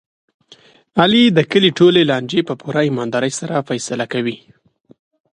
علي د کلي ټولې لانجې په پوره ایماندارۍ سره فیصله کوي.